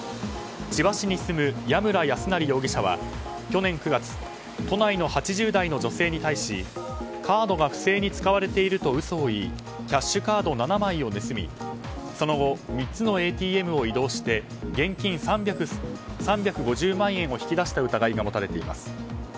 千葉市に住むヤムラ・ヤスナリ容疑者は去年９月、都内の８０代の女性に対しカードが不正に使われていると嘘を言いキャッシュカード７枚を盗みその後３つのＡＴＭを移動して現金３５０万円を引き出した疑いが持たれています。